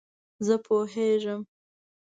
زه پوهیږم